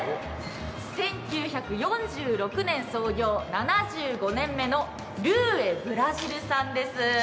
１９４６年創業、７５年目のルーエぶらじるさんです。